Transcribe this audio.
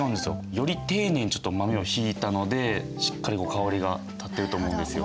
より丁寧に豆をひいたのでしっかり香りが立ってると思うんですよ。